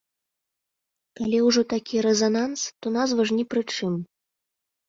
Калі ўжо такі рэзананс, то назва ж ні пры чым.